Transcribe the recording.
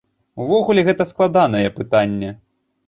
Увогуле, гэта складанае пытанне.